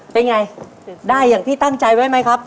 เป็นไงได้อย่างที่ตั้งใจไว้ไหมครับ